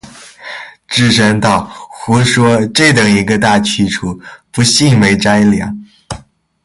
智深道：“胡说，这等一个大去处，不信没斋粮。